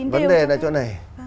vấn đề là chỗ này